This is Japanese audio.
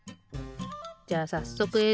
じゃあさっそくえい